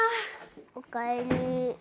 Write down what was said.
おかえり。